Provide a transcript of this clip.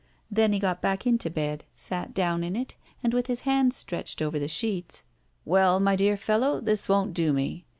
Then he got back into bed, sat down in it, and with his hands stretched over the sheets: "Well, my dear fellow, this won't do me.